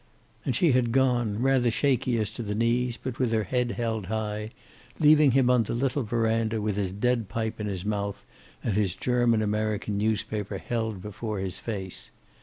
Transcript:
And she had gone, rather shaky as to the knees, but with her head held high, leaving him on the little veranda with his dead pipe in his mouth and his German American newspaper held before his face.